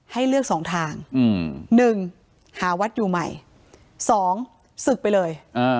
ให้เลือกสองทางหนึ่งหาวัดอยู่ใหม่สองสึกไปเลย